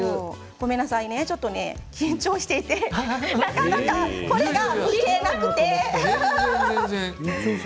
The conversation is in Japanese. ごめんなさいねちょっと緊張していてなかなか皮がむけなくて。